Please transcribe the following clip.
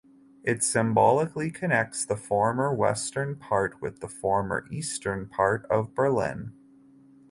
It symbolically connects the former western part with the former eastern part of Berlin.